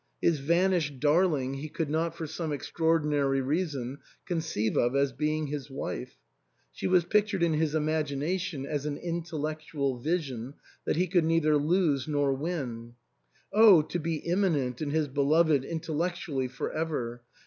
His vanished darlins: he could not, for some extraordinary reason, conceive of as being his wife. She was pictured in his imagina tion as an intellectual vision, that he could neither lose nor win. Oh ! to be immanent in his beloved intel lectually for ever!